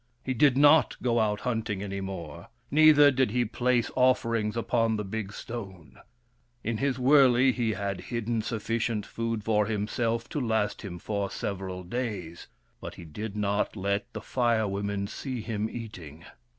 He did not go out hunting any more, neither did he place offerings upon the big stone. In his wurley he had hidden sufficient food for himself to last him for several days, but he did not let the Fire Women see him eating.